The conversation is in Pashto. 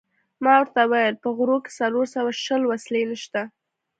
ما ورته وویل: په غرو کې څلور سوه شل وسلې نشته.